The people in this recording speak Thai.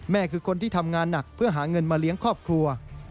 คือคนที่ทำงานหนักเพื่อหาเงินมาเลี้ยงครอบครัว